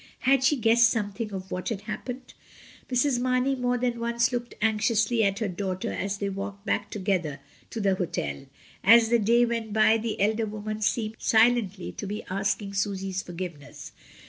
Had she guessed something of what had happened? Mrs. Mamey more than once looked anxiously at her daughter as they walked back together to the hotel. As the day went by the elder woman seemed silently to be asking Susy's forgiveness.